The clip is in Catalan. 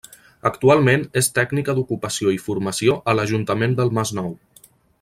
Actualment és tècnica d'ocupació i formació a l'Ajuntament del Masnou.